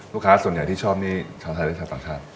ลูกค้าส่วนใหญ่ที่ชอบนี่ชาวไทยและชาวต่างชาติ